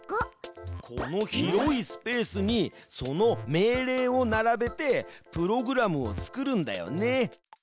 この広いスペースにその命令をならべてプログラムを作るんだよね。